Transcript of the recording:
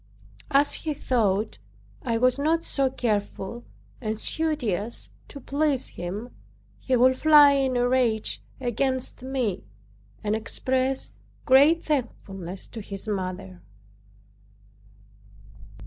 As he thought I was not so careful and studious to please him he would fly in a rage against me and express great thankfulness to his mother.